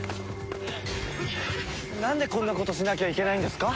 なんでこんなことしなきゃいけないんですか！？